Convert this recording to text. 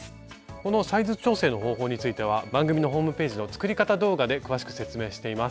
このサイズ調整の方法については番組のホームページの作り方動画で詳しく説明しています。